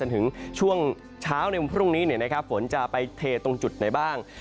ถึงช่วงเช้าในวันพรุ่งนี้ฝนจะไปเทตรงจุดไหนบ้าง